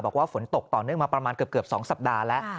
บอกว่าฝนตกต่อเนื่องมาประมาณเกือบ๒สัปดาห์แล้ว